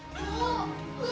bu ibu kenapa bu